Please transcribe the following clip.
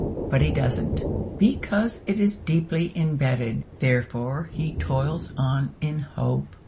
But he doesn't, because it is deeply embedded, therefore he toils on in hope.